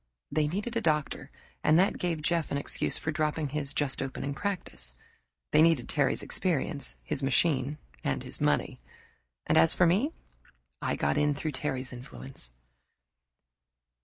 They needed a doctor, and that gave Jeff an excuse for dropping his just opening practice; they needed Terry's experience, his machine, and his money; and as for me, I got in through Terry's influence.